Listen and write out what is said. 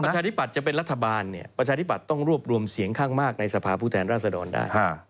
ประชาธิปัตย์จะเป็นรัฐบาลเนี่ยประชาธิบัตย์ต้องรวบรวมเสียงข้างมากในสภาพผู้แทนราชดรได้